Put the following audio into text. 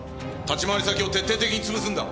立ち回り先を徹底的に潰すんだ！